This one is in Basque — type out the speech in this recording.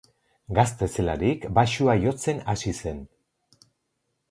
Gazte zelarik baxua jotzen hasi zen.